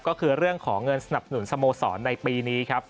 ก็คือเรื่องของเงินสนับสนุนสโมสรในปีนี้ครับ